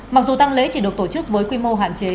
mặc dù tăng lễ chỉ được tổ chức với quy mô hạn chế